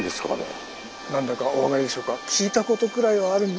何だかお分かりでしょうか？